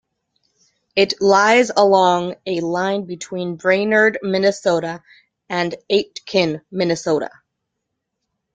It lies along a line between Brainerd, Minnesota, and Aitkin, Minnesota.